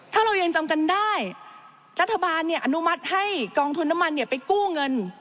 ถ้าเรายังจำกันได้รัฐบาลเนี่ยอนุมัติให้กองทุนน้ำมันเนี่ยไปกู้เงิน